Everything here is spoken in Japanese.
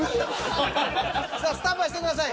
スタンバイしてください。